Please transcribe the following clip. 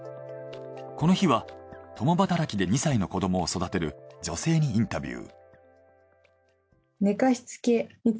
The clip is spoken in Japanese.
この日は共働きで２歳の子どもを育てる女性にインタビュー。